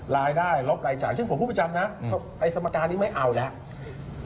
รายได้ลบรายจ่ายซึ่งผมพูดประจำนะไอ้สมการนี้ไม่เอาแล้ว